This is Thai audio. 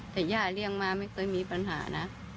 แต่ย่าเลี้ยงมาไม่เคยมีปัญหานะ